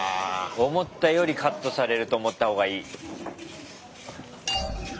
思ったよりカットされると思ったほうがいい。